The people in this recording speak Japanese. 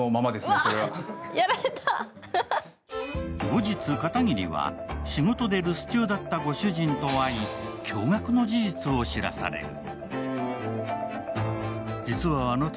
後日、片桐は仕事で留守中だったご主人と会い、驚がくの事実を知らされる。